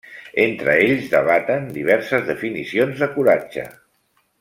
Entre ells debaten diverses definicions de coratge.